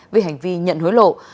vì hành vi nhận hối lộ